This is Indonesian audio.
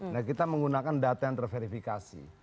nah kita menggunakan data yang terverifikasi